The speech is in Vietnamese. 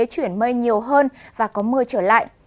chuyển mây nhiều hơn và có mưa trở lại